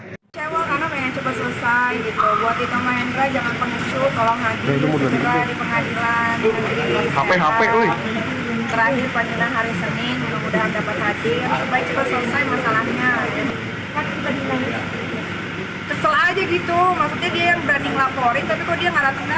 kalau cuma memperjarakan nikita yaudah berhasil kan